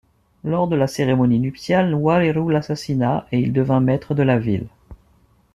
Lors de la cérémonie nuptiale, Wareru l'assassina, et il devint maître de la ville.